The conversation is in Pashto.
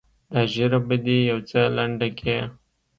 دا ږيره به دې يو څه لنډه کې.